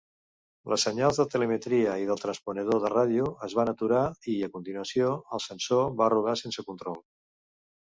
Les senyals de telemetria i del transponedor de ràdio es van aturar i, a continuació, el sensor va rodar sense control.